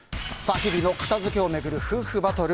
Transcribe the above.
日々の片付けをめぐる夫婦バトル。